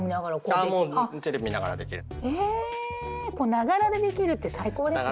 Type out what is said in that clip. ながらでできるって最高ですね！